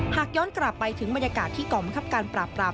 หากย้อนกลับไปถึงบรรยากาศที่ก่อมคับการปราบ